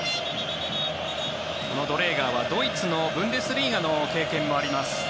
このドレーガーはドイツのブンデスリーガの経験もあります。